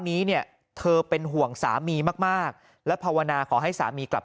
นี้เนี่ยเธอเป็นห่วงสามีมากมากและภาวนาขอให้สามีกลับ